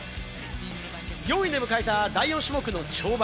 ４位で迎えた第４種目の跳馬。